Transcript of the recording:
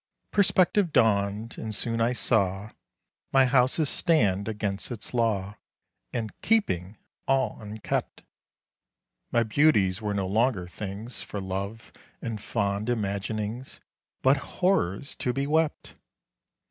Perspective dawned and soon I saw My houses stand against its law; And "keeping" all unkept! My beauties were no longer things For love and fond imaginings; But horrors to be wept!